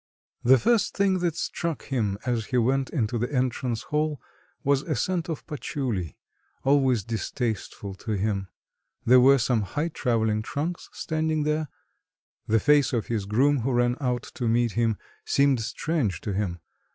The first thing that struck him as he went into the entrance hall was a scent of patchouli, always distasteful to him; there were some high travelling trunks standing there. The face of his groom, who ran out to meet him, seemed strange to him.